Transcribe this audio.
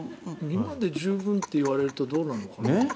今で十分って言われるとどうなのかな。